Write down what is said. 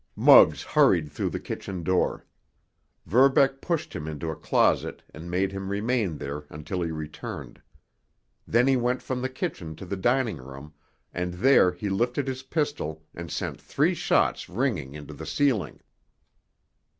Muggs hurried through the kitchen door. Verbeck pushed him into a closet and bade him remain there until he returned. Then he went from the kitchen to the dining room, and there he lifted his pistol and sent three shots ringing into the ceiling.